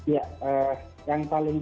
ya yang paling